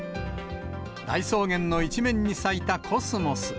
大草原の一面に咲いたコスモス。